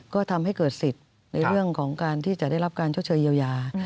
ก็ทำให้เกิดสิทธิ์ในเรื่องของการที่จะได้รับการชดเชยเยียวยา